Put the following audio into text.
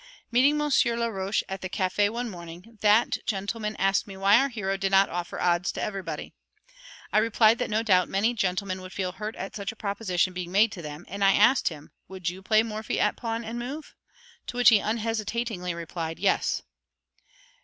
Meeting Monsieur Laroche at the café one morning, that gentleman asked me why our hero did not offer odds to everybody. I replied that no doubt many gentlemen would feel hurt at such a proposition being made to them, and I asked him "Would you play Morphy at pawn and move?" to which he unhesitatingly replied "Yes."